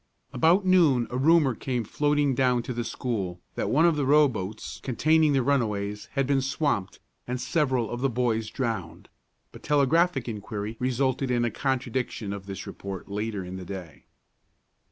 About noon a rumor came floating down to the school that one of the row boats containing the runaways had been swamped, and several of the boys drowned; but telegraphic inquiry resulted in a contradiction of this report later in the day.